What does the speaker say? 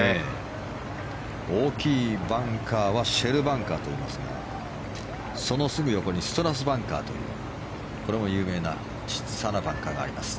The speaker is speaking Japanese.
大きいバンカーはシェルバンカーと呼びますがそのすぐ横にストラスバンカーというこれも有名な小さなバンカーがあります。